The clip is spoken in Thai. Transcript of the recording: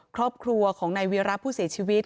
ครอบครัวของนายเวียระผู้เสียชีวิต